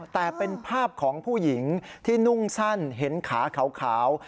แต่เป็นภาพของผู้หญิงที่นุ่งสั้นเห็นขาขาว